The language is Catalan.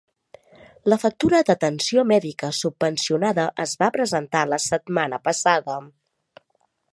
La factura d'atenció mèdica subvencionada es va presentar la setmana passada.